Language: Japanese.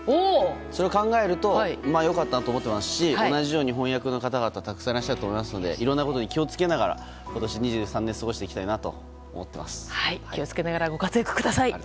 それを考えると良かったなと思っていますし同じように本厄の方々たくさんいると思いますのでいろんな事に気をつけながら今年２３年を過ごしていきたいと気を付けながらご活躍ください。